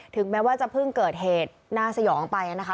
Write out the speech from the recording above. แม้ว่าจะเพิ่งเกิดเหตุน่าสยองไปนะคะ